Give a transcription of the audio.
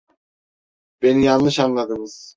Beni yanlış anladınız.